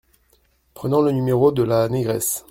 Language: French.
Prenant le numéro de la négresse.